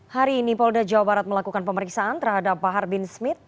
hari ini polda jawa barat melakukan pemeriksaan terhadap bahar bin smith